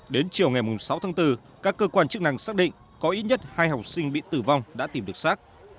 đến chiều ngày sáu tháng bốn các cơ quan chức năng xác định có ít nhất hai học sinh bị tử vong đã tìm được xác